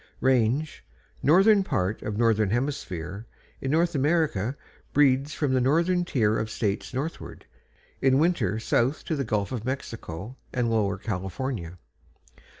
_ RANGE Northern part of northern hemisphere. In North America breeds from the northern tier of states northward; in winter south to the Gulf of Mexico and lower California.